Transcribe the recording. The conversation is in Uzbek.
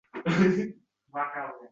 Begunoh ona. Begunoh kelin. Begunoh go’dak.